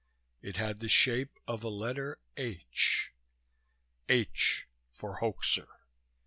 It had the shape of a letter "H". "H" for "hoaxer."